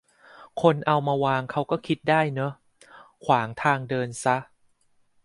คนเอามาวางเขาก็คิดได้เนอะ ขวางทางเดินซะ